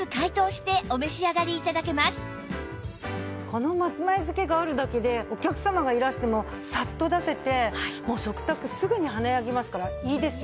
この松前漬けがあるだけでお客様がいらしてもサッと出せて食卓すぐに華やぎますからいいですよね。